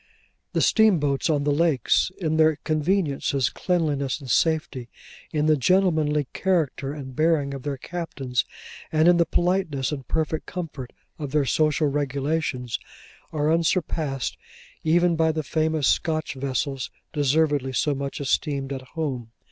The steamboats on the lakes, in their conveniences, cleanliness, and safety; in the gentlemanly character and bearing of their captains; and in the politeness and perfect comfort of their social regulations; are unsurpassed even by the famous Scotch vessels, deservedly so much esteemed at home.